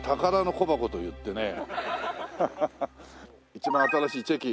一番新しいチェキ。